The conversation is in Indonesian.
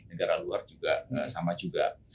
negara luar juga sama juga